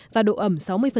và độ ẩm sáu mươi